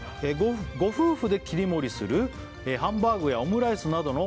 「ご夫婦で切り盛りするハンバーグやオムライスなどの」